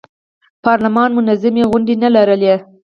پارلمان منظمې غونډې نه لرلې.